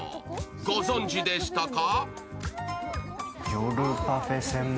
ご存じでしたか？